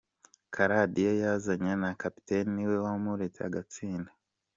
Karadiyo yazanye na kapiteni we wamuretse agatsinda.